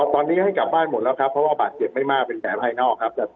ตอนนี้ให้กลับบ้านหมดแล้วครับเพราะว่าบาดเจ็บไม่มากเป็นแผลภายนอกครับ